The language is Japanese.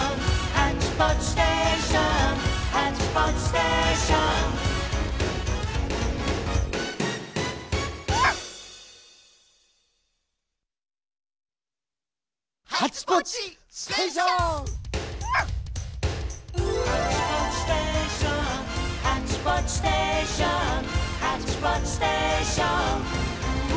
「ハッチポッチステーションハッチポッチステーション」「ハッチポッチステーション」